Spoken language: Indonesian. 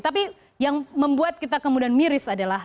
tapi yang membuat kita kemudian miris adalah